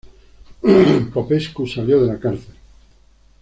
Popescu salió de la cárcel.